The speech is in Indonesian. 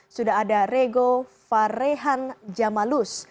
sudah ada rego farehan jamalus